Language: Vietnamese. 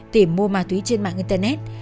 tìm mua ma túy trên mạng internet